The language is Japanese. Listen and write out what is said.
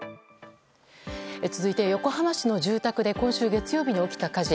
続いて、横浜市の住宅で今週月曜日に起きた火事。